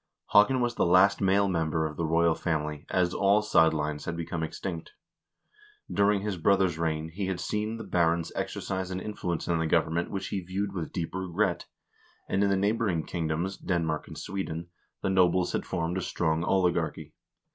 Haakon was the last male member of the royal family, as all side lines had become extinct. During his brother's reign he had seen the barons exercise an influence in the government which he viewed with deep regret, and in the neighboring kingdoms, Denmark and Sweden, the nobles had formed a strong oligarchy.